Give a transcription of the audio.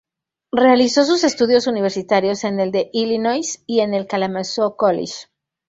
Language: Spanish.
Realizó sus estudios universitarios en el de Illinois y en el Kalamazoo College.